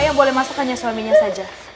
yang boleh masuk hanya suaminya saja